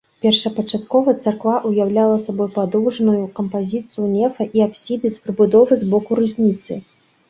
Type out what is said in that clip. Першапачаткова царква ўяўляла сабой падоўжную кампазіцыю нефа і апсіды з прыбудовай збоку рызніцы.